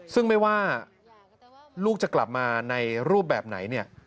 ซึ่งไม่ว่าลูกจะกลับมาในรูปแบบไหนเนี่ย